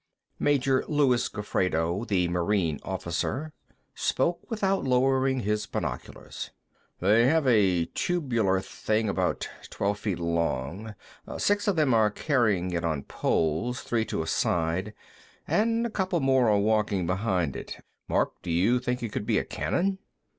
Major Luis Gofredo, the Marine officer, spoke without lowering his binoculars: "They have a tubular thing about twelve feet long; six of them are carrying it on poles, three to a side, and a couple more are walking behind it. Mark, do you think it could be a cannon?"